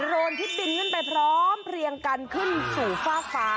โรนที่บินขึ้นไปพร้อมเพลียงกันขึ้นสู่ฟากฟ้า